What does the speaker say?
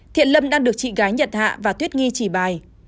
thiện lâm đang được chị gái nhật hạ và tuyết nghi chỉ bài